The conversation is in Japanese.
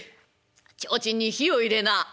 提灯に火を入れな」。